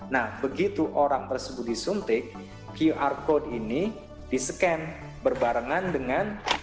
nah begitu orang tersebut disuntik qr code ini di scan berbarengan dengan